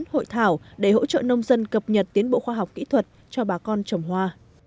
hội thảo để hỗ trợ nông dân cập nhật tiến bộ khoa học kỹ thuật cho bà con trồng hoa